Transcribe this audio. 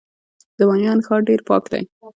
د بامیان ښار ډیر پاک دی